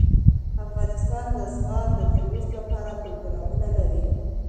افغانستان د زغال د ترویج لپاره پروګرامونه لري.